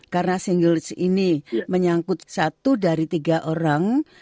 karena single ini menyangkut satu dari tiga orang